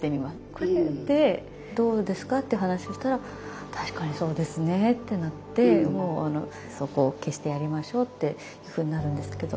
「これってどうですか？」って話をしたら「確かにそうですね」ってなって「そこを消してやりましょう」っていうふうになるんですけど。